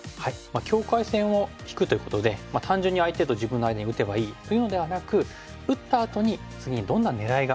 境界線を引くということで単純に相手と自分の間に打てばいいというのではなく打ったあとに次にどんな狙いがあるか。